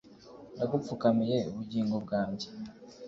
ndagupfukamiye, bugingo bwanjye